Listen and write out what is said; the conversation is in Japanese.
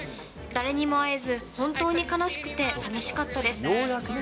誰にも会えず、本当に悲しくてさみしかったです。